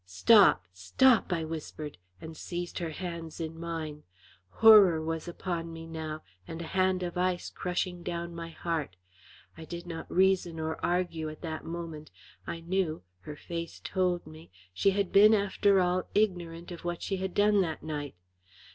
"Stop! stop!" I whispered, and seized her hands in mine. Horror was upon me now, and a hand of ice crushing down my heart. I did not reason or argue at that moment. I knew her face told me she had been after all ignorant of what she had done that night.